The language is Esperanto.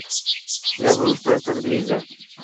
La brusto estas griza.